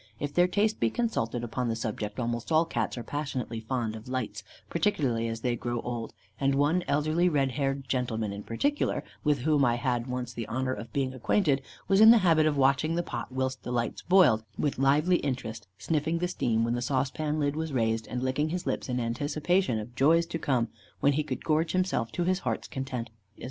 If their taste be consulted upon the subject, almost all Cats are passionately fond of lights, particularly as they grow old; and one elderly red haired gentleman in particular, with whom I had once the honour of being acquainted, was in the habit of watching the pot whilst the lights boiled, with lively interest, sniffing the steam when the saucepan lid was raised, and licking his lips in anticipation of joys to come, when he could gorge himself to his heart's content.